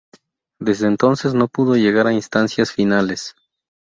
Desde entonces no pudo llegar a instancias finales.